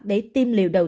để tiêm liều tăng cường